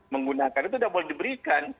menggunakan itu tidak boleh diberikan